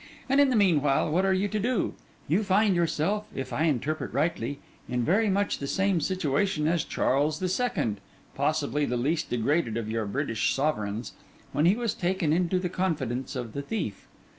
And in the meanwhile, what are you to do? You find yourself, if I interpret rightly, in very much the same situation as Charles the Second (possibly the least degraded of your British sovereigns) when he was taken into the confidence of the thief.